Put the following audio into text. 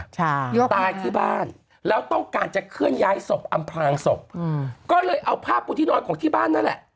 ใช่ตายที่บ้านแล้วต้องการจะเคลื่อนย้ายศพอำพลางศพอืมก็เลยเอาผ้าปูที่นอนของที่บ้านนั่นแหละ